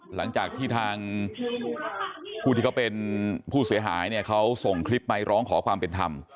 หลังจากที่ทางผู้ที่เขาเป็นผู้เสียหายเนี่ยเขาส่งคลิปไปร้องขอความเป็นธรรม